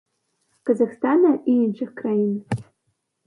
Казахстана і іншых краін.